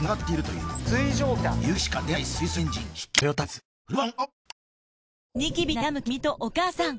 うわ！